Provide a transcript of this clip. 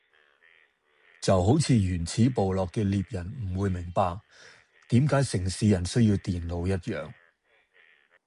就好似原始部落嘅獵人唔會明白點解城市人需要電腦一樣